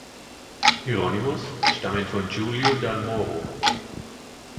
Hieronymus, stammen von Giulio dal Moro.